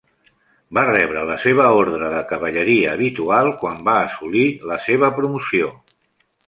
Va rebre la seva ordre de cavalleria habitual quan va assolir la seva promoció.